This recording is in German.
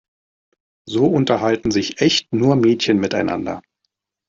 So unterhalten sich echt nur Mädchen miteinander.